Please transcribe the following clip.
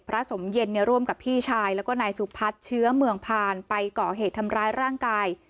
สมเย็นร่วมกับพี่ชายแล้วก็นายสุพัฒน์เชื้อเมืองพานไปก่อเหตุทำร้ายร่างกาย